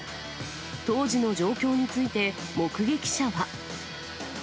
当時の状況について、目撃者は。